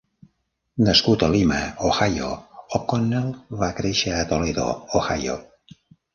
Nascut a Lima, Ohio, O'Connell va créixer a Toledo, Ohio.